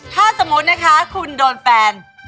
ถ้าสมมุตินะคะคุณโดนแฟน